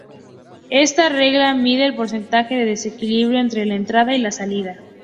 Esta regla mide el porcentaje de desequilibrio entre la entrada y la salida.